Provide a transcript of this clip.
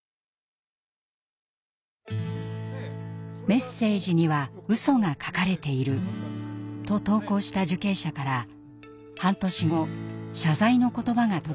「メッセージにはうそが書かれている」と投稿した受刑者から半年後謝罪の言葉が届きました。